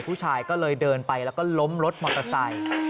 ผู้ชายก็เลยเดินไปแล้วก็ล้มรถมอเตอร์ไซค์